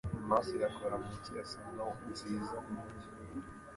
Marcia akora muri salon nziza mumujyi.